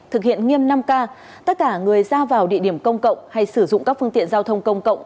thực hiện nghiêm năm k tất cả người ra vào địa điểm công cộng hay sử dụng các phương tiện giao thông công cộng